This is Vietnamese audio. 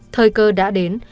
thời cơ đã đến